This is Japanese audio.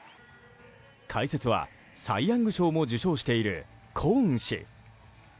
解説は、サイ・ヤング賞も受賞しているコーン氏。